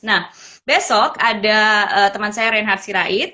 nah besok ada teman saya reinhard sirait